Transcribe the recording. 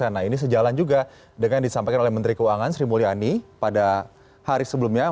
nah ini sejalan juga dengan yang disampaikan oleh menteri keuangan sri mulyani pada hari sebelumnya